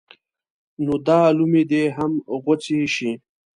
نو دا لومې دې هم غوڅې شي.